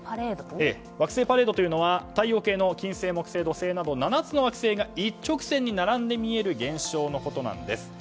惑星パレードというのは太陽系の金星、木星、土星など７つの惑星が一直線に並んで見える現象のことです。